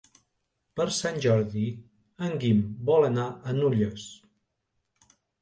Per Sant Jordi en Guim vol anar a Nulles.